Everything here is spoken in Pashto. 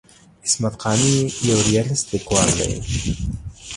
عصمت قانع یو ریالیست لیکوال دی.